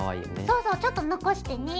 そうそうちょっと残してね。